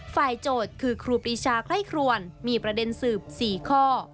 โจทย์คือครูปรีชาไคร่ครวนมีประเด็นสืบ๔ข้อ